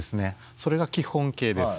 それが基本型です。